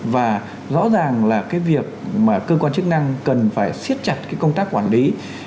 và rõ ràng là cái việc mà cơ quan chức năng cần phải siết chặt cái công tác quản lý